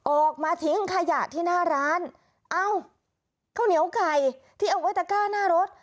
ออกมาทิ้งขยะที่หน้าร้านเอ้าข้าวเหนียวไก่ที่เอาไว้ตะก้าหน้ารถ